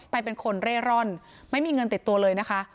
เป็นคนเร่ร่อนไม่มีเงินติดตัวเลยนะคะ